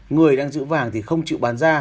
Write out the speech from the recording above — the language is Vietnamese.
người đang giữ vàng thì không chịu bán ra